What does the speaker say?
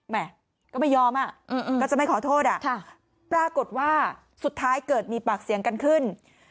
แม่ก็ไม่ยอมอ่ะก็จะไม่ขอโทษปรากฏว่าสุดท้ายเกิดมีปากเสียงกันขึ้น